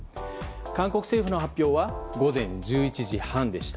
韓国政府の発表は午前１１時半でした。